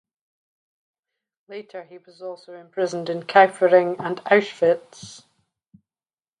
Later he was also imprisoned in Kaufering and Auschwitz.